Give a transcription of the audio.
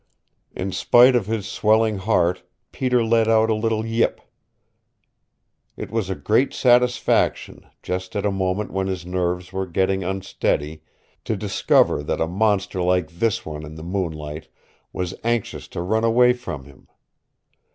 In spite of his swelling heart Peter let out a little yip. It was a great satisfaction, just at a moment when his nerves were getting unsteady, to discover that a monster like this one in the moonlight was anxious to run away from him.